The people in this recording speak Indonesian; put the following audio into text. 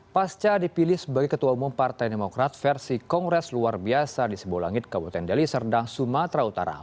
pasca dipilih sebagai ketua umum partai demokrat versi kongres luar biasa di sebuah langit kabupaten deli serdang sumatera utara